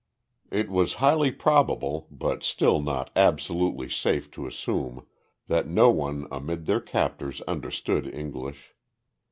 It was highly probable, but still not absolutely safe to assume, that no one amid their captors understood English.